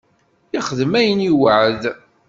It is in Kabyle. Yexdem ayen i iweɛɛed.